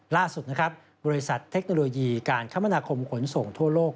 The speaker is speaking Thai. ล่าสุดนะครับบริษัทเทคโนโลยีการคมนาคมขนส่งทั่วโลก